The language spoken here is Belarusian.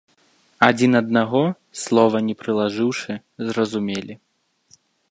Адзін аднаго, слова не прылажыўшы, зразумелі.